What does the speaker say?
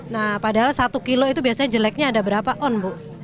nah padahal satu kilo itu biasanya jeleknya ada berapa on bu